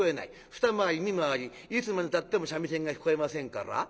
二回り三回りいつまでたっても三味線が聞こえませんから。